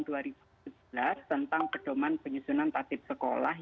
tentang pedoman penyusunan tatip sekolah